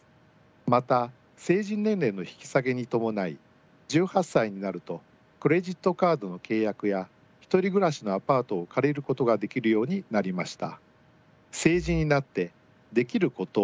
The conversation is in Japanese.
また成人年齢の引き下げに伴い１８歳になるとクレジットカードの契約や１人暮らしのアパートを借りることができるようになりました。